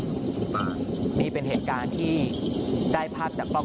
มันมีปืนมันมีปืน